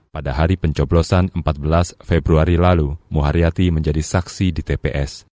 pada hari pencoblosan empat belas februari lalu muharyati menjadi saksi di tps